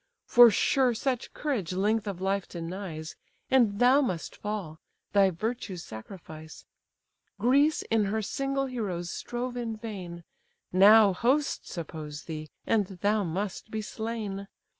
For sure such courage length of life denies, And thou must fall, thy virtue's sacrifice. Greece in her single heroes strove in vain; Now hosts oppose thee, and thou must be slain.